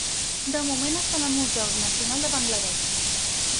De moment estan al Museu Nacional de Bangla Desh.